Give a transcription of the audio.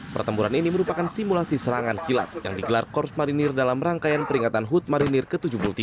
pertempuran ini merupakan simulasi serangan kilat yang digelar korps marinir dalam rangkaian peringatan hud marinir ke tujuh puluh tiga